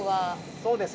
そうですね